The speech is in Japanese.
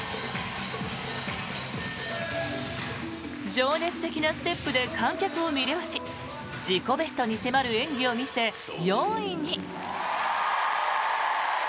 情熱的なステップで観客を魅了し自己ベストに迫る演技を見せ４位に。